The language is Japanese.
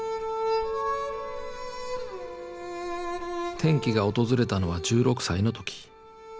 転機が訪れたのは１６歳の時。